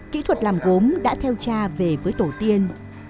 kỹ thuật làm gốm đã theo cha về với tổ tiên